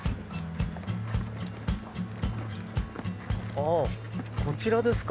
ほうこちらですか！